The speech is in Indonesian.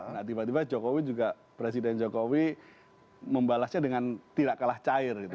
nah tiba tiba jokowi juga presiden jokowi membalasnya dengan tidak kalah cair gitu